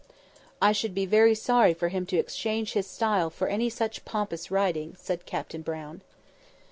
"I should be very sorry for him to exchange his style for any such pompous writing," said Captain Brown.